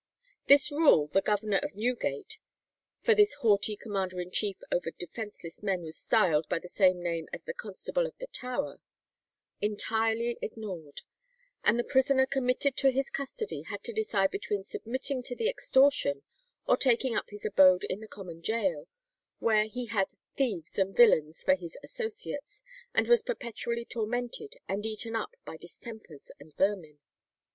This rule the governor of Newgate—for this haughty commander in chief over defenceless men was styled by the same name as the constable of the Tower—entirely ignored, and the prisoner committed to his custody had to decide between submitting to the extortion, or taking up his abode in the common gaol, where he had thieves and villains for his associates, and was perpetually tormented and eaten up by distempers and vermin.